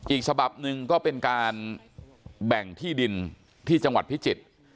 อีกฉบับหนึ่งก็เป็นการแบ่งที่ดินที่จังหวัดพิจิตร